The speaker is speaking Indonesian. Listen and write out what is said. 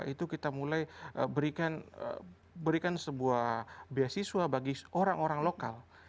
itu kita mulai berikan sebuah beasiswa bagi orang orang lokal